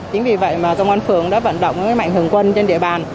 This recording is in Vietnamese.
chính vì vậy mà công an phường đã vận động mạnh thường quân trên địa bàn